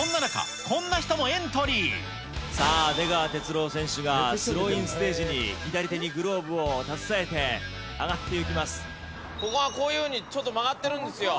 さあ、出川哲朗選手がスローインステージに、左手にグローブを携えて、ここがこういうふうにちょっと曲がってるんですよ。